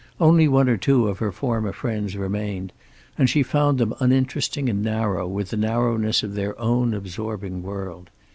Only one or two of her former friends remained, and she found them uninteresting and narrow with the narrowness of their own absorbing world.